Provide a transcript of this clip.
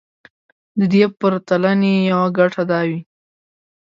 د دې پرتلنې يوه ګټه دا وي.